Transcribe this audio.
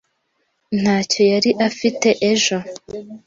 ntacyo yari afite ejo.